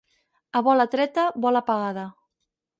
A bola treta, bola pagada.